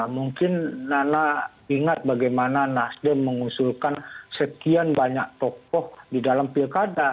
mungkin nana ingat bagaimana nasdem mengusulkan sekian banyak tokoh di dalam pilkada